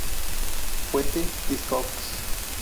Fuente: Discogs